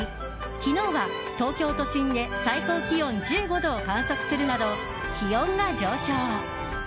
昨日は東京都心で最高気温１５度を観測するなど気温が上昇。